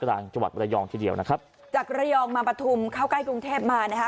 กลางจังหวัดบรยองทีเดียวนะครับจากระยองมาปฐุมเข้าใกล้กรุงเทพมานะคะ